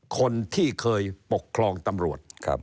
คนที่เคยปกครองตำรวจครับ